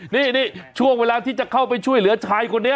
นี่ช่วงเวลาที่จะเข้าไปช่วยเหลือชายคนนี้